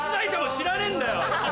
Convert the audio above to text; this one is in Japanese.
知らねえんだよ！